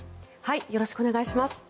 よろしくお願いします。